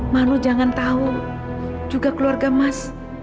makhlu jangan tahu juga keluarga mas